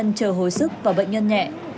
bệnh nhân chờ hồi sức và bệnh nhân nhẹ